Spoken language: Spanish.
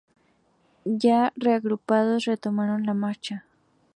Ya reagrupados, retomaron la marcha.